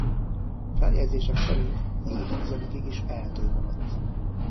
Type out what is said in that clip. Feljegyzések szerint évtizedekig is ehető maradt.